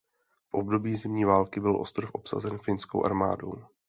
V období Zimní války byl ostrov obsazen finskou armádou.